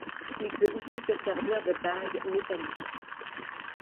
Il peut aussi se servir de bagues métalliques.